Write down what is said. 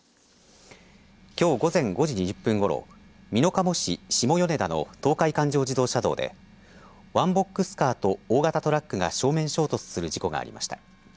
きょう午前５時２０分ごろ美濃加茂市下米田の東海環状自動車道でワンボックスカーと大型トラックが正面衝突する事故がありました。